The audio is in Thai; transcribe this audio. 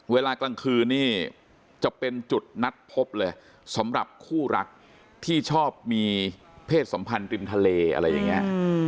เวลากลางคืนนี่จะเป็นจุดนัดพบเลยสำหรับคู่รักที่ชอบมีเพศสัมพันธ์ริมทะเลอะไรอย่างนี้